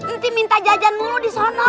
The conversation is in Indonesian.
nanti minta jajan mulu di sana